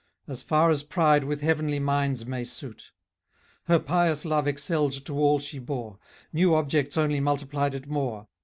As far as pride with heavenly minds may suit. Her pious love excelled to all she bore; New objects only multiplied it more.